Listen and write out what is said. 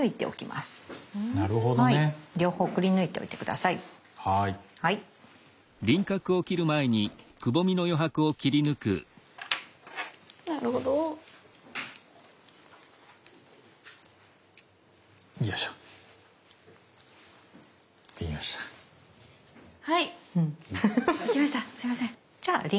すみません。